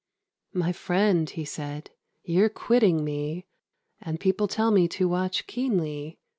"My friend," he said, "you're quitting me; And people tell me to watch keenly.